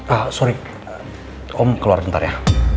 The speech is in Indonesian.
ah sorry om keluar sebentar ya